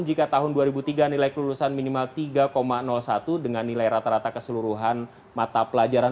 jika tahun dua ribu tiga nilai kelulusan minimal tiga satu dengan nilai rata rata keseluruhan mata pelajaran